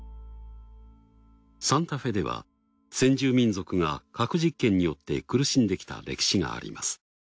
サンタフェでは先住民族が核実験によって苦しんできた歴史があります。